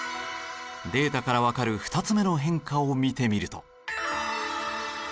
データからわかる２つ目の変化を見てみると。